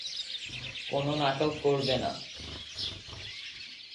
কোন নাটক করবে না।